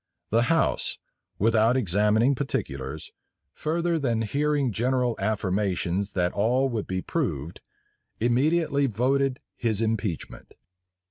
The house, without examining particulars, further than hearing general affirmations that all would be proved, immediately voted his impeachment.